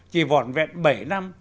chỉ vòn vẹn bảy năm